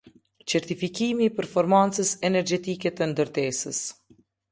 Certifikimi i performancës energjetike të ndërtesës.